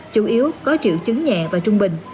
chủ yếu có triệu chứng nhẹ và trung bình